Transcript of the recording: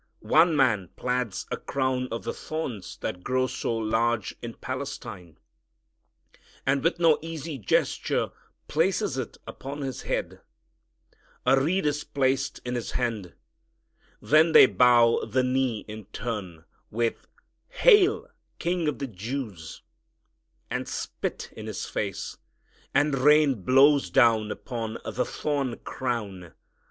One man plaits a crown of the thorns that grow so large in Palestine, and with no easy gesture places it upon His head. A reed is placed in His hand. Then they bow the knee in turn, with "Hail! King of the Jews," and spit in His face, and rain blows down upon the thorn crown.